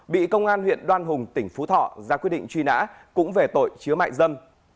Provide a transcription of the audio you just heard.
bị công an huyện đoan hùng tỉnh phú thọ ra quyết định truy nã cũng về tội chứa mại dâm